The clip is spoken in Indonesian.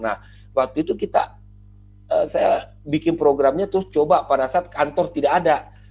nah waktu itu kita saya bikin programnya terus coba pada saat kantor tidak ada